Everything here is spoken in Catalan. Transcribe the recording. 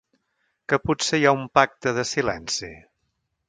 ¿Que potser hi ha un pacte de silenci?